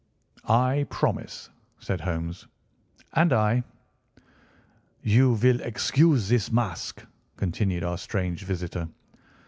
"I promise," said Holmes. "And I." "You will excuse this mask," continued our strange visitor.